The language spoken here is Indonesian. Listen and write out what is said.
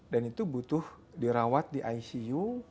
dan itu butuh dirawat di icu